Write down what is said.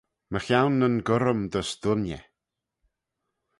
Mychione nyn gurrym dys dooinney.